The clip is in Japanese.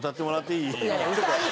いい？